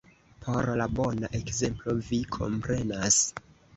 por la bona ekzemplo, vi komprenas?